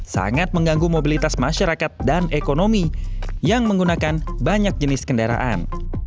sangat mengganggu mobilitas masyarakat dan ekonomi yang menggunakan banyak jenis kendaraan